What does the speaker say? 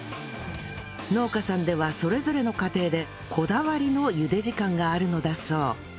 農家さんではそれぞれの家庭でこだわりのゆで時間があるのだそう